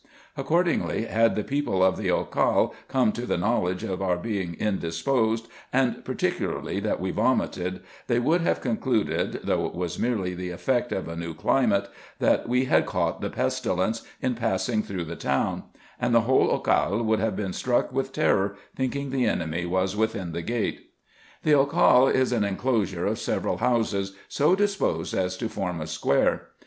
Accordingly, had the people of the Occale come to the knowledge of our being indisposed, and par ticularly that we vomited, they would have concluded, though it was merely the effect of a new climate, that we had caught the pestilence in passing through the town ; and the whole Occale would have been struck with terror, thinking the enemy was within the gate. The Occale is an enclosure of several houses, so disposed as to form a square.